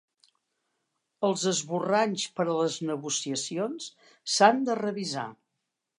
Els esborranys per a les negociacions s'han de revisar.